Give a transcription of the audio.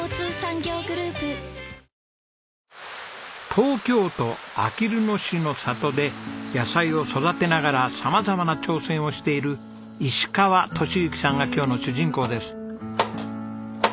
東京都あきる野市の里で野菜を育てながら様々な挑戦をしている石川敏之さんが今日の主人公です。